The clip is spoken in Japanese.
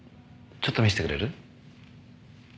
ちょっと見せてくれる？